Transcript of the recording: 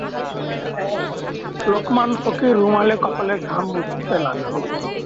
লোকমান ফকির রুমালে কপালের ঘাম মুছতে লাগল।